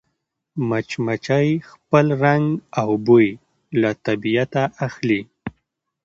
مچمچۍ خپل رنګ او بوی له طبیعته اخلي